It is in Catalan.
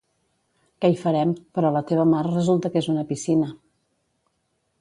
Què hi farem, però la teva mar resulta que és una piscina.